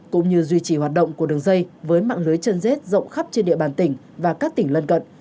cũng như duy trì hoạt động của đường dây với mạng lưới chân dết rộng khắp trên địa bàn tỉnh và các tỉnh lân cận